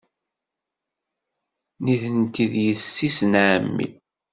Nitenti d yessi-s n ɛemmi.